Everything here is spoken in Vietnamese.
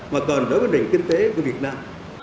mà còn đối với nền kinh tế của việt nam